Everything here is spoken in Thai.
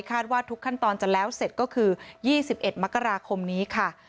ว่าทุกขั้นตอนจะแล้วเสร็จก็คือ๒๑มกราคมนี้ค่ะ